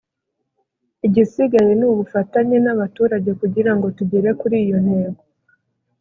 igisigaye ni ubufatanye n’abaturage kugira ngo tugere kuri iyo ntego